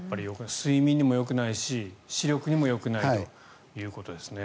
睡眠にもよくないし視力にもよくないということですね。